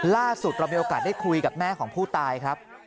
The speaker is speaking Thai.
ล่าสุดเรามีโอกาสได้คุยกับแม่ของผู้ตายครับ